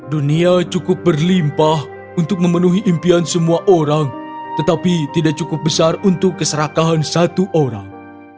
dunia cukup berlimpah untuk memenuhi impian semua orang tetapi tidak cukup besar untuk keserakahan satu orang